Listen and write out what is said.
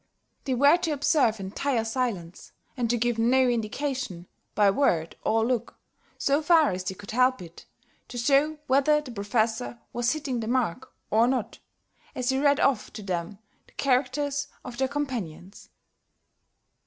They were to observe entire silence, and to give no indication, by word or look, so far as they could help it, to show whether the Professor was hitting the mark or not, as he read off to them the characters of their companions.